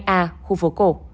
hai a khu phố cổ